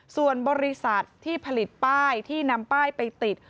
ส่วนบริษัทที่ผลิตป้ายที่นำป้ายไปติด